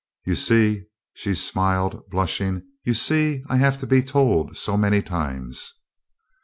"You see," she smiled, blushing, "you see I have to be told so many times."